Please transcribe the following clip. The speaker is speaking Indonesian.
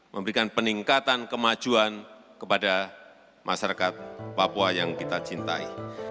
memberikan peningkatan kemajuan kepada masyarakat papua yang kita cintai